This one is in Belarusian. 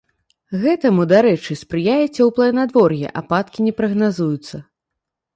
Гэтаму, дарэчы, спрыяе цёплае надвор'е, ападкі не прагназуюцца.